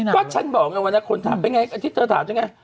ก็ฉันบอกเงินวันละคนถามเป็นไงอาทิตย์เธอถามเป็นไง